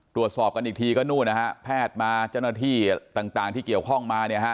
ตรวจสอบกันอีกทีก็นู่นนะฮะแพทย์มาเจ้าหน้าที่ต่างที่เกี่ยวข้องมาเนี่ยฮะ